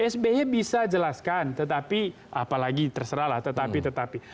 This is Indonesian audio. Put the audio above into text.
s b bisa menjelaskan tetapi apalagi terserah lah tetapi tetapi